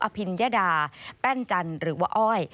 อภินยดาแป้นจันหรือว่าอ้อย